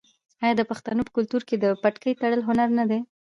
آیا د پښتنو په کلتور کې د پټکي تړل هنر نه دی؟